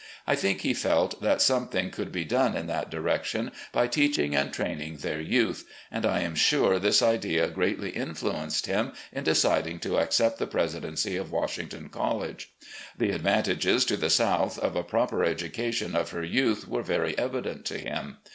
I think he felt that something could be done in that direction by teaching and training their youth, and I am sure this idea greatly influenced him in deciding to accept the presidency of Washington College. The advantages to the South of a proper education of her youth were very evident to him.